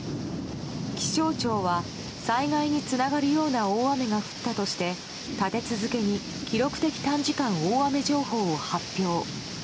気象庁は災害につながるような大雨が降ったとして立て続けに記録的短時間大雨情報を発表。